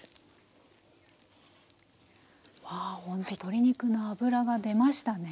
ほんと鶏肉の脂が出ましたね。